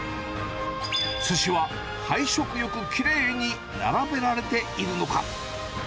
すしは配色よくきれいに並べられているのか。